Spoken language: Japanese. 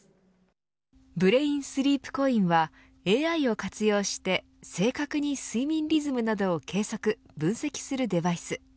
ブレインスリープコインはＡＩを活用して正確に睡眠リズムなどを計測、分析するデバイス。